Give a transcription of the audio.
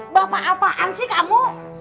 bapak apaan sih kamu